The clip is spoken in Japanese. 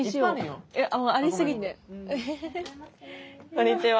こんにちは。